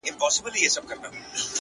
ما درته وژړل ـ ستا نه د دې لپاره ـ